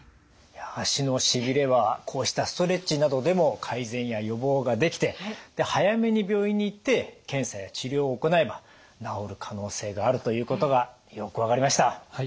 足のしびれはこうしたストレッチなどでも改善や予防ができて早めに病院に行って検査や治療を行えば治る可能性があるということがよく分かりました。